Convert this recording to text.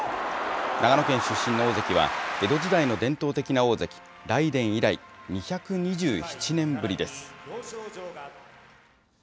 長野県出身の大関は江戸時代の伝統的な大関・雷電以来、２２７年ぶりです。